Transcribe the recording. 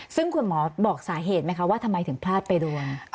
ซึ่งคุณหมอบอกสาเหตุไหมคะว่าทำไมถึงพลาดไปโดน